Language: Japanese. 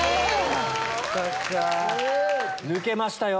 抜けましたよ。